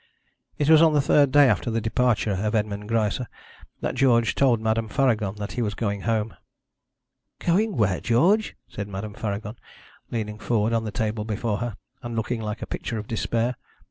It was on the third day after the departure of Edmond Greisse that George told Madame Faragon that he was going home. 'Going where, George?' said Madame Faragon, leaning forward on the table before her, and looking like a picture of despair.